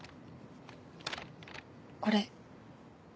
これ。